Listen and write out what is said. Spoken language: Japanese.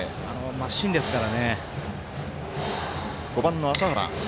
真芯ですから。